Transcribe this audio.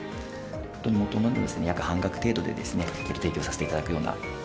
元の約半額程度で提供させていただくような。